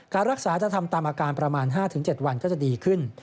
การรักษาจะทำตามอาการประมาณ๕๗วันก็จะดีขึ้น